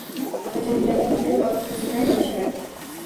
Opajon yuragimni yulib olib ko‘rsataymi o‘shalarga!